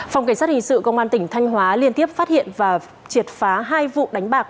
phòng cảnh sát hình sự công an tỉnh thanh hóa liên tiếp phát hiện và triệt phá hai vụ đánh bạc